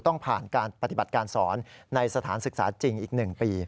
ต้องผ่านการปฏิบัติการสอนในสถานศึกษาจริงอีก๑ปี